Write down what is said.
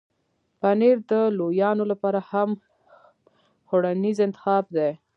پنېر د لویانو لپاره هم خوړنیز انتخاب دی.